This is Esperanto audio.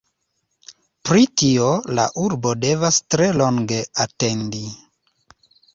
Pri tio la urbo devas tre longe atendi.